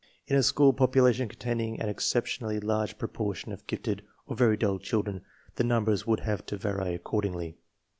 In a school population containing an exceptionally large proportion of gifted or very dull children the numbers would have to vary accordingly.